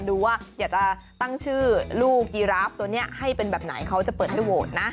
ดูว่าอยากจะตั้งชื่อลูกยีราฟตัวนี้ให้เป็นแบบไหนเขาจะเปิดให้โหวตนะ